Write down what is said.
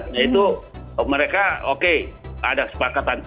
nah itu mereka oke ada kesepakatan